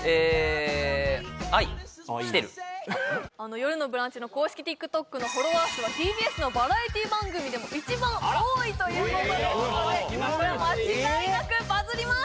「よるのブランチ」の公式ＴｉｋＴｏｋのフォロワー数はＴＢＳのバラエティ番組でも一番多いということですのでこれは間違いなくバズります！